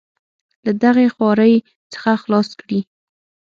له دغې خوارۍ څخه خلاص کړي.